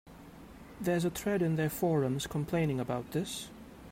There's a thread in their forums complaining about this.